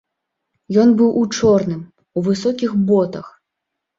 Ён быў у чорным, у высокіх ботах.